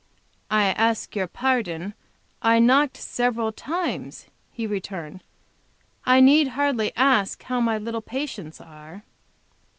"I ask your pardon; I knocked several times," he returned. "I need hardly ask how my little patients are."